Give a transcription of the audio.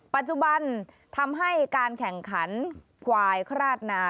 ปัจจุบันทำให้การแข่งขันควายคราดนา